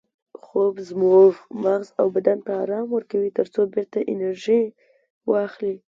خوب زموږ مغز او بدن ته ارام ورکوي ترڅو بیرته انرژي واخلي